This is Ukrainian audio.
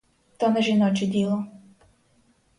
То не жіноче діло.